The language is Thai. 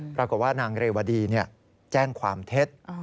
ปรากฏว่านางเรวดีแจ้งความเท็จ